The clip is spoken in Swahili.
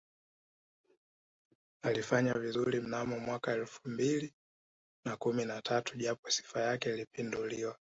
Alifanya vizuri mnamo mwaka elfu mbili na kumi na tatu japo Sifa yake ilipinduliwa